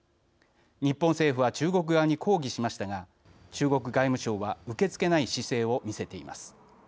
日本政府は中国側に抗議しましたが中国外務省は受け付けない姿勢を見せています。